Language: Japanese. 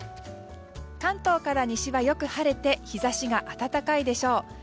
関東から西はよく晴れて日差しが暖かいでしょう。